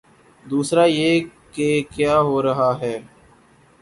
دوسرا یہ کہ کیا ہو رہا ہے۔